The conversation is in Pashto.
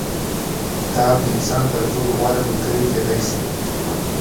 کتاب د انسان تر ټولو غوره ملګری کېدای سي.